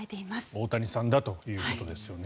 大谷さんだということですよね。